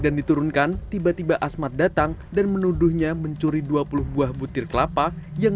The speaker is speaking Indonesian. dan diturunkan tiba tiba asmat datang dan menuduhnya mencuri dua puluh buah butir kelapa yang